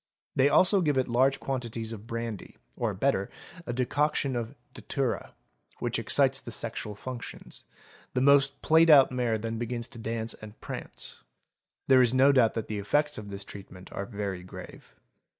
'They also give it large quantities of brandy or better a decoction of datura, which excites the sexual functions; the most played out mare then begins to dance and prance; there is no doubt that the effects of this treatment are very grave.